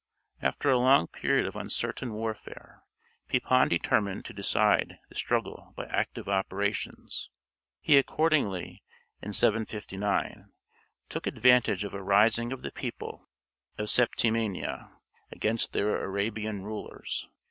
After a long period of uncertain warfare, Pepin determined to decide the struggle by active operations. He accordingly, in 759, took advantage of a rising of the people of Septimania against their Arabian rulers.